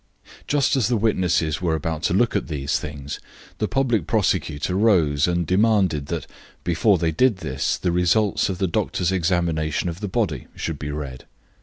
Just as the witnesses were about to look at these things, the public prosecutor rose and demanded that before they did this the results of the doctor's examination of the body should be read.